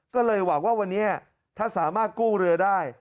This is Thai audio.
ก็เลยหวังว่าวันนี้ถ้าสามารถกู้เรือได้